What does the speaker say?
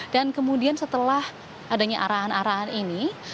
dan kemudian setelah adanya arahan araan ini